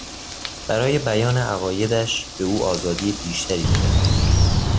برای بیان عقایدش به او آزادی بیشتری بدهید.